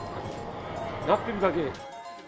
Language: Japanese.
鳴ってるだけ。